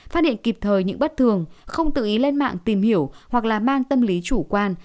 phát hiện kịp thời những bất thường không tự ý lên mạng tìm hiểu hoặc là mang tâm lý chủ quan